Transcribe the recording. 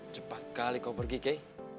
cepat kali kau pergi ke